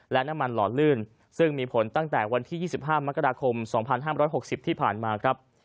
และน้ำมันหล่อลื่นซึ่งมีผลตั้งแต่วันที่๒๕มกราคม๒๕๖๐ที่ผ่านมาครับ